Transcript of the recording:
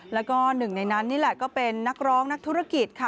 แล้วก็หนึ่งในนั้นนี่แหละก็เป็นนักร้องนักธุรกิจค่ะ